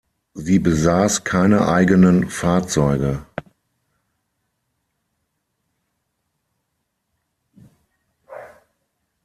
Sie besass keine eigenen Fahrzeuge.